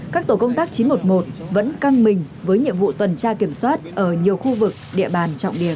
các tổ công tác chín trăm một mươi một vẫn căng mình với nhiệm vụ tuần tra kiểm soát ở nhiều khu vực địa bàn trọng điểm